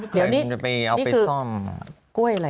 ๑๐๐เดี๋ยวนี้นี่คือกล้วยอะไร